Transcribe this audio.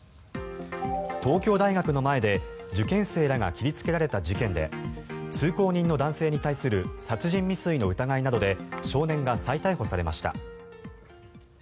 東京大学の前で受験生らが切りつけられた事件で通行人の男性に対する殺人未遂の疑いなどで少年が再逮捕されました。